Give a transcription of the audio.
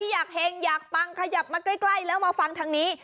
พี่หยักเห็งหยักปังขยับมาใกล้แล้วมาฟังทางนี้